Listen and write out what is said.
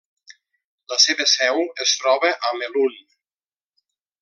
La seva seu es troba a Melun.